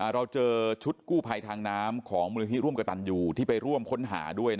เราเจอชุดกู้ภัยทางน้ำของมูลนิธิร่วมกับตันอยู่ที่ไปร่วมค้นหาด้วย